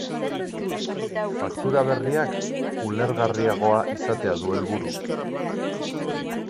Faktura berriak ulergarriagoa izatea du helburu.